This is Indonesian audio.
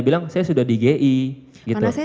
bilang saya sudah di gi karena saya